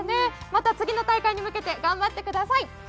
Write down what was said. また次の大会に向けて頑張ってください。